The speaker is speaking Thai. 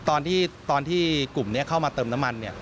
ตอนที่กลุ่มนี้เข้ามาเติมน้ำมัน